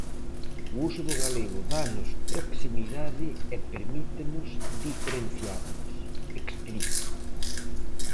O uso do galego dános proximidade e permítenos diferenciarnos, explica.